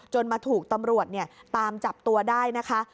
มาถูกตำรวจตามจับตัวได้นะคะ